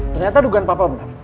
ternyata dugaan papa bener